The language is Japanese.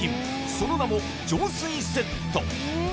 その名も「浄水セット」